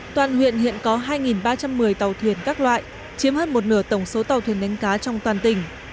toàn huyện hiện có hai ba trăm một mươi tàu thuyền các loại chiếm hơn một nửa tổng số tàu thuyền đánh cá trong toàn tỉnh